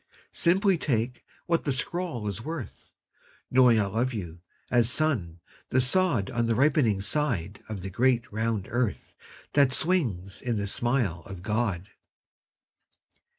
Simply take what the scrawl is worth Knowing I love you as sun the sod On the ripening side of the great round earth That swings in the smile of God.